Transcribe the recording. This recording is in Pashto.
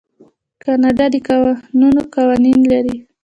کاناډا د کانونو قوانین لري.